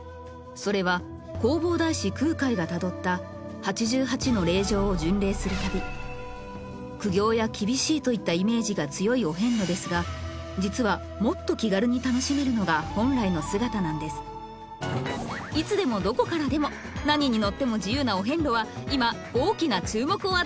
それは弘法大師空海がたどった八十八の霊場を巡礼する旅「苦行」や「厳しい」といったイメージが強いお遍路ですが実はもっと気軽に楽しめるのが本来の姿なんですいつでもどこからでも何に乗っても自由なお遍路は今大きな注目を集めています